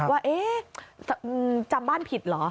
ว่าจำบ้านผิดเหรอ